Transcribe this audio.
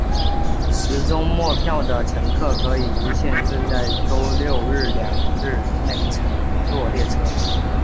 持周末票的乘客可以无限制在周六日两天内乘坐列车。